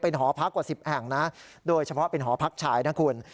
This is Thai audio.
หอพักกว่า๑๐แห่งนะโดยเฉพาะเป็นหอพักชายนะคุณ